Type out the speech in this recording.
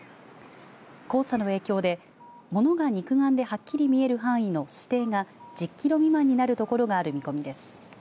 黄砂の影響で物が肉眼ではっきり見える範囲の視程が１０キロ未満になる所がある見込みです。